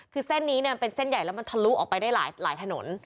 คือเส้นนี้มันเป็นเส้นใหญ่แล้วมันทะลุออกไปได้หลายถนน